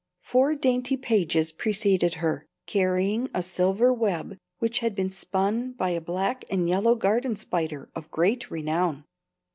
Four dainty pages preceded her, carrying a silver web which had been spun by a black and yellow garden spider of great renown.